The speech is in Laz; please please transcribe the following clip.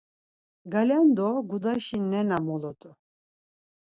Galendo gudaşi nena mulut̆u.